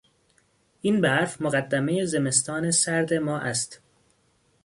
این برف مقدمهی زمستان سرد ما است.